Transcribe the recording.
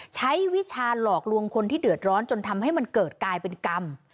วิชาหลอกลวงคนที่เดือดร้อนจนทำให้มันเกิดกลายเป็นกรรม